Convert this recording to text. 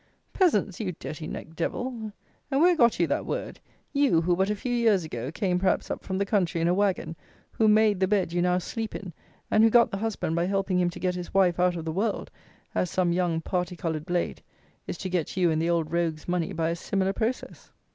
"Peasants! you dirty necked devil, and where got you that word? You, who, but a few years ago, came, perhaps, up from the country in a wagon; who made the bed you now sleep in; and who got the husband by helping him to get his wife out of the world, as some young party coloured blade is to get you and the old rogue's money by a similar process!"